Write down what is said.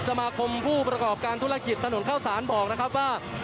สมาคมผู้ประกอบการธุรกิจถนนเข้าสารบอกนะครับว่า